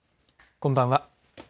こんばんは。